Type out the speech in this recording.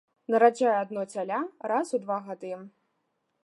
Нараджае адно цяля раз у два гады.